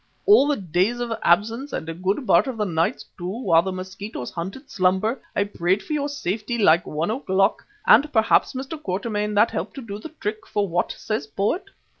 All the days of absence, and a good part of the nights, too, while the mosquitoes hunted slumber, I prayed for your safety like one o'clock, and perhaps, Mr. Quatermain, that helped to do the trick, for what says poet?